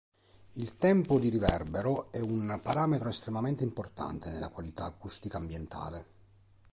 Il tempo di riverbero è un parametro estremamente importante nella qualità acustica ambientale.